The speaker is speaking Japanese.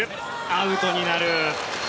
アウトになる。